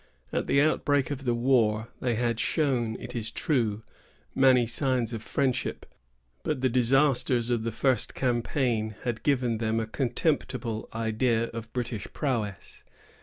At the outbreak of the war, they had shown, it is true, many signs of friendship; but the disasters of the first campaign had given them a contemptible idea of British prowess.